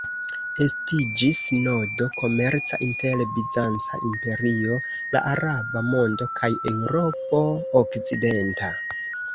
Estiĝis nodo komerca inter Bizanca imperio, la araba mondo kaj Eŭropo okcidenta.